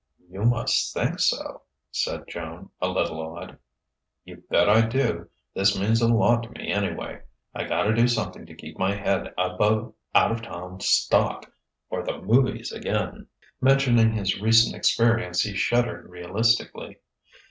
"You must think so," said Joan, a little awed. "You bet I do. This means a lot to me, anyway; I gotta do something to keep my head above out of town stock or the movies again." Mentioning his recent experience, he shuddered realistically.